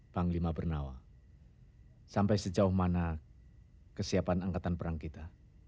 panglima bernawa sampai sejauh mana kesiapan angkatan perang kita